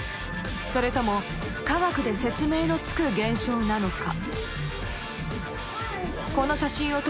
それとも科学で説明のつく現象なのか？